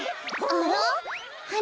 あら？